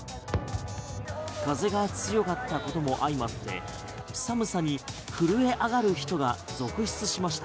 風が強かったことも相まって寒さに震え上がる人が続出しました。